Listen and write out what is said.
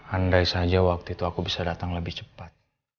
andai saja waktu itu aku bisa datang lebih cepat